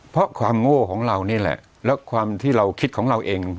เพราะความโง่ของเรานี่แหละแล้วความที่เราคิดของเราเอง